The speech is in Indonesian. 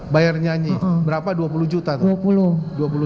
bayar nyanyi berapa dua puluh juta tuh